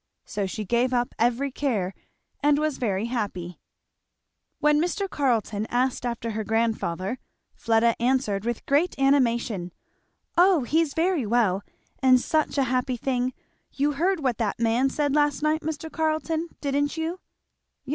So she gave up every care and was very happy. When Mr. Carleton asked after her grandfather, Fleda answered with great animation, "O he's very well! and such a happy thing You heard what that man said last night, Mr. Carleton, didn't you?"